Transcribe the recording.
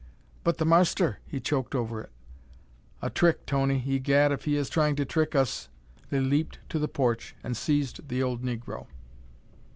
"But the marster " He choked over it. "A trick, Tony! Egad, if he is trying to trick us " They leaped to the porch and seized the old negro.